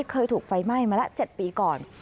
เคยถูกไฟไหม้มาละ๗ปีก่อน